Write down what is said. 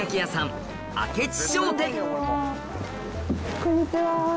こんにちは。